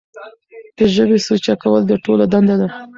د ژبې سوچه کول د ټولو دنده ده.